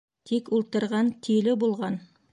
Тик ултырған тиле булған.